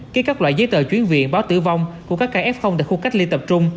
kế các loại giấy tờ chuyến viện báo tử vong của các kf tại khu cách ly tập trung